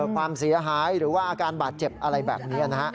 ความเสียหายหรือว่าอาการบาดเจ็บอะไรแบบนี้นะฮะ